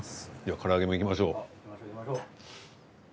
唐揚げもいきましょう。